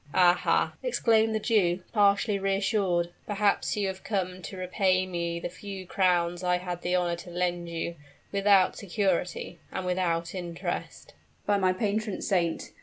"Ah! ha!" exclaimed the Jew, partially reassured: "perhaps you have come to repay me the few crowns I had the honor to lend you without security, and without interest " "By my patron saint!